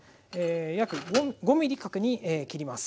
約５ｍｍ角に切ります。